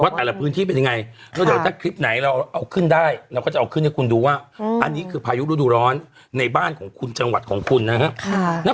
ส่งในคลิปไหนคุณได้เราจะดูให้คุณให้เราดูว่าอันนี่คือพายุธุร้อนในบ้านของคุณจังหวัดของคุณนะครับ